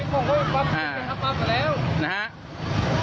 คุณผู้ชมไปดูคลิปนี้กันแล้วค่ะ